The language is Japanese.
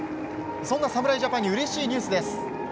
そんな侍ジャパンにうれしいニュースです！